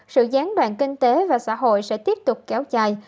sự gián đoạn kinh tế và xã hội sẽ tiếp tục kéo dài